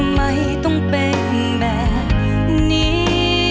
แบบนี้